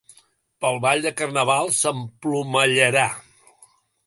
Pel ball de carnaval s'emplomallarà.